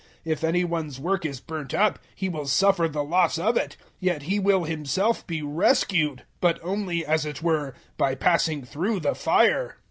003:015 If any one's work is burnt up, he will suffer the loss of it; yet he will himself be rescued, but only, as it were, by passing through the fire.